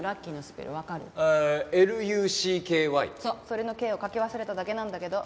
それのＫを書き忘れただけなんだけど。